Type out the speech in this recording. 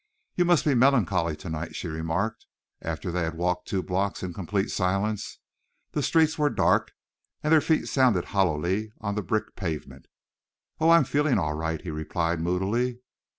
"You must be melancholy tonight," she remarked, after they had walked two blocks in complete silence. The streets were dark, and their feet sounded hollowly on the brick pavement. "Oh, I'm feeling all right," he replied moodily.